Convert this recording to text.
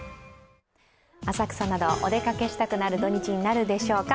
浅草など、お出かけしたくなる土日になるでしょうか。